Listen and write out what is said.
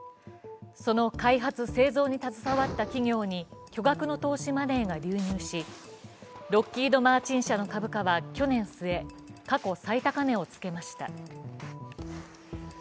その開発・製造に携わった企業に巨額の投資マネーが流入しロッキード・マーティン社の株価は去年末、過去最高値をつけました。